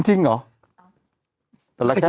ขออีกทีอ่านอีกที